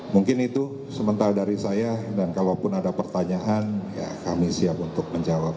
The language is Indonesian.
mungkin itu sementara dari saya dan kalaupun ada pertanyaan ya kami siap untuk menjawab